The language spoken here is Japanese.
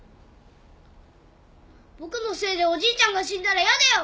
僕のせいでおじいちゃんが死んだら嫌だよ！